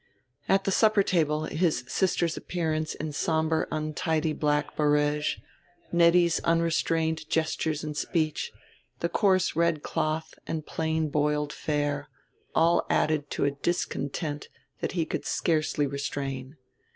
At the supper table his sister's appearance in somber untidy black barége, Nettie's unrestrained gestures and speech, the coarse red cloth and plain boiled fare, all added to a discontent that he could scarcely restrain.